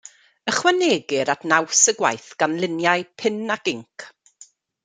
Ychwanegir at naws y gwaith gan luniau pin ac inc.